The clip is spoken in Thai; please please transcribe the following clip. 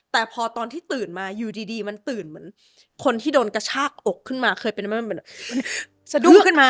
แต่พอตอนที่ตื่นมาอยู่ดีมันตื่นเหมือนคนที่โดนกระชากอกขึ้นมาเคยเป็นสะดุ้งขึ้นมา